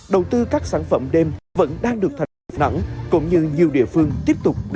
đầu tư các sản phẩm đêm vẫn đang được thành năng cũng như nhiều địa phương tiếp tục đẩy mạnh